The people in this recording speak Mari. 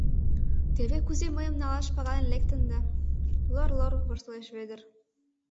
— Теве кузе мыйым налаш пагален лектында! — лор-лор воштылеш Вӧдыр.